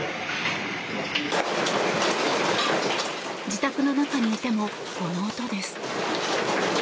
自宅の中にいてもこの音です。